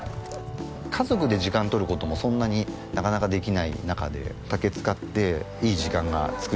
家族で時間を取る事もそんなになかなかできない中で竹使っていい時間が作れるなっていう。